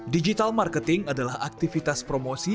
digital marketing adalah aktivitas promosi